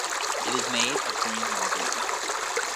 It is made of green marble.